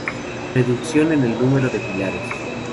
Reducción en el número de pilares.